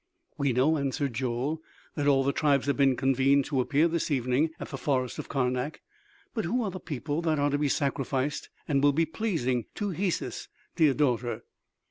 "We know," answered Joel, "that all the tribes have been convened to appear this evening at the forest of Karnak. But who are the people that are to be sacrificed and will be pleasing to Hesus, dear daughter?"